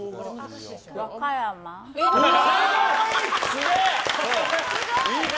すげえ！